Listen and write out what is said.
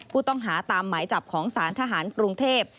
ผู้ต้องหาตามหมายจับของสารทหารกรุงเทพ